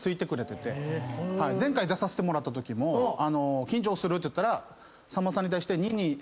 前回出させてもらったときも緊張するって言ったらさんまさんに対して。て言われたんですよ。